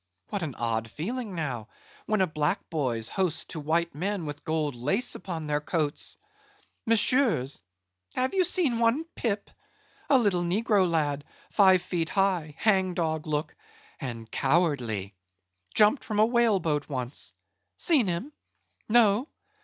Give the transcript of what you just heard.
What an odd feeling, now, when a black boy's host to white men with gold lace upon their coats!—Monsieurs, have ye seen one Pip?—a little negro lad, five feet high, hang dog look, and cowardly! Jumped from a whale boat once;—seen him? No!